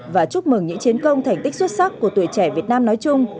và chúc mừng những chiến công thành tích xuất sắc của tuổi trẻ việt nam nói chung